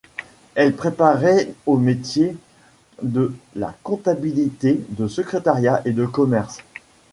Elle préparait aux métiers de la comptabilité, de secrétariat et de commerce.